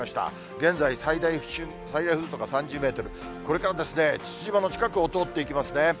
現在、最大風速は３０メートル、これから父島の近くを通っていきますね。